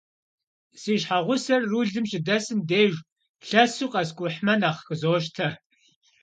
Си щхьэгъусэр рулым щыдэсым деж, лъэсу къэскӏухьмэ нэхъ къызощтэ.